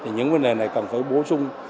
những vấn đề này cần phải bổ sung